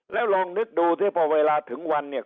แล้วลองนึกดูที่พอเวลาถึงวันเนี่ย